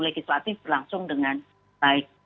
diskusatif langsung dengan baik